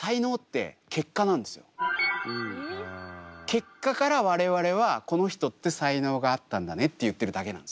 結果から我々はこの人って才能があったんだねって言ってるだけなんですよ。